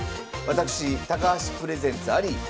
私高橋プレゼンツあり